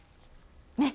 ねっ？